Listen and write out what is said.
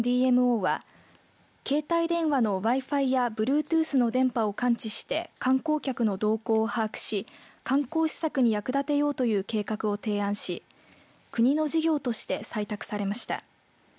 ＤＭＯは携帯電話のＷｉ‐ＦｉやＢｌｕｅｔｏｏｔｈの電波を感知して観光客の動向を把握し観光施策に役立てようという計画を提案し国の事業として採択されました。